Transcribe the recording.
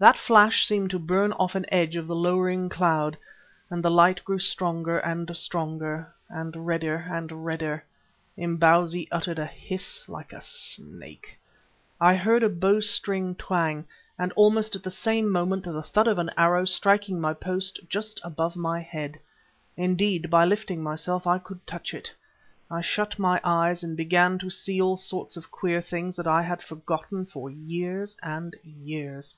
That flash seemed to burn off an edge of the lowering cloud and the light grew stronger and stronger, and redder and redder. Imbozwi uttered a hiss like a snake. I heard a bow string twang, and almost at the same moment the thud of an arrow striking my post just above my head. Indeed, by lifting myself I could touch it. I shut my eyes and began to see all sorts of queer things that I had forgotten for years and years.